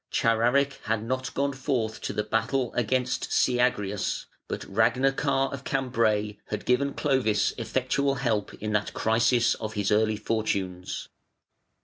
Chararic had not gone forth to the battle against Syagrius, but Ragnachar of Cambray had given Clovis effectual help in that crisis of his early fortunes.